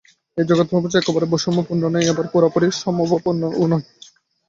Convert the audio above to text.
এই জগৎপ্রপঞ্চ একেবারে বৈষম্যে পূর্ণ নয়, আবার পুরোপুরি সমভাবাপন্নও নয়।